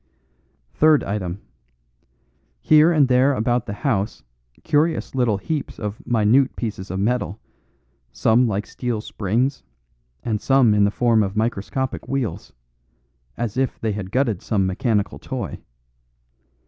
"Third item. Here and there about the house curious little heaps of minute pieces of metal, some like steel springs and some in the form of microscopic wheels. As if they had gutted some mechanical toy.